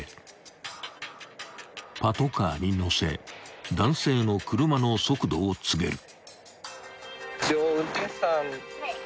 ［パトカーに乗せ男性の車の速度を告げる］